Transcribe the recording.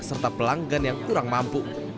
serta pelanggan yang kurang mampu